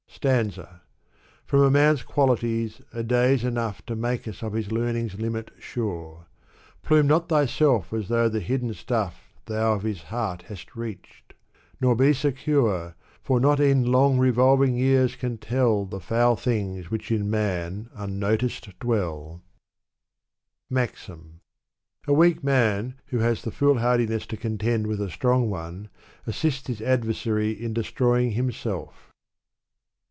Stanza. From a man's qualities a day's enough To make us of his learning's limit sure. Plume not thyself as though the hidden stuff Thou of his heart hast reached ; nor be secure. For not e'en long revolving years can tell The foul things which in man unnoticed dwell MAXIM. A weak man, who has the foolhardiness to contend with a strong one, assists his adversary in destroying himself.